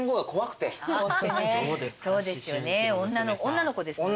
女の子ですもんね。